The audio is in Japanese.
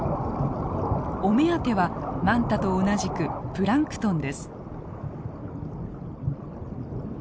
お目当てはマンタと同じくプランクトンです。